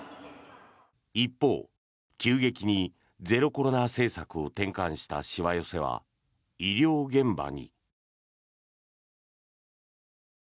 一方、急激にゼロコロナ政策を転換したしわ寄せは医療現場に。